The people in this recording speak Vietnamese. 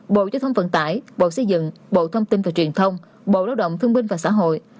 bộ giao thông vận tải bộ xây dựng bộ thông tin và truyền thông bộ lao động thương binh và xã hội